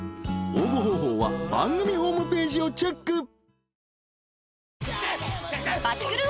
［応募方法は番組ホームページをチェック］